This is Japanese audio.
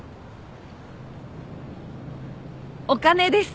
お金です。